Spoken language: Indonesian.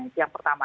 itu yang pertama